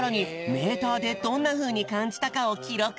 メーターでどんなふうにかんじたかをきろく。